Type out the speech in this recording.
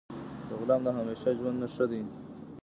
د غلام د همیشه ژوند نه ښه دی.